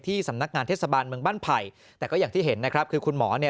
สำนักงานเทศบาลเมืองบ้านไผ่แต่ก็อย่างที่เห็นนะครับคือคุณหมอเนี่ย